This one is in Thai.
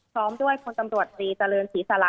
พร้อมด้วยพลตำรวจตรีเจริญศรีสาระ